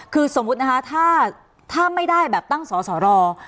คือสมมุตินะคะถ้าไม่ได้แบบตั้งสอสอรอ